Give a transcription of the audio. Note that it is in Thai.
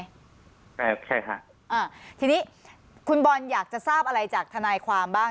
ใช่ฮะอ่าทีนี้คุณบอลอยากจะทราบอะไรจากทนายความบ้าง